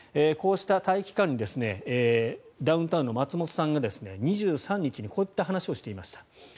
こうした待機期間にダウンタウンの松本さんが２３日にこういった話をしていました。